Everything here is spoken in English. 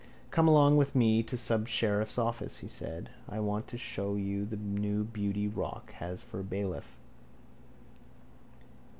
—Come along with me to the subsheriff's office, he said. I want to show you the new beauty Rock has for a bailiff.